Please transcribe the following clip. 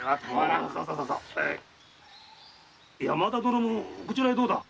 山田殿もこちらへどうだ。